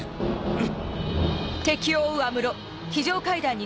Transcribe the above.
うん。